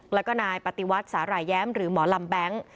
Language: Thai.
แล้วก็นายปฏิวัติสาหร่ายแย้มหรือหมอลำแบงค์